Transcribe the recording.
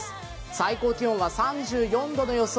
最高気温は３４度の予想。